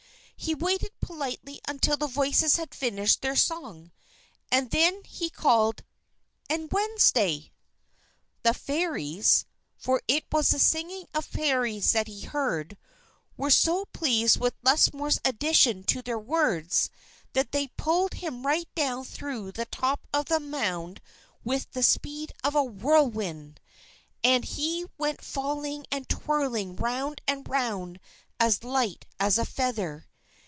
He waited politely until the voices had finished their song, then he called: "And Wednesday!" The Fairies for it was the singing of Fairies that he heard were so pleased with Lusmore's addition to their words, that they pulled him right down through the top of the mound with the speed of a whirlwind. And he went falling and twirling round and round as light as a feather.